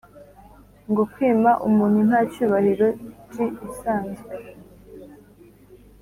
nko kwima umu ntu icyubahiro g-isanzwe